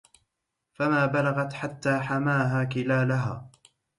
فما بلغت حتى حماها كلالها